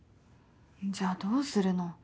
じゃあどうするの？